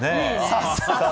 さすが！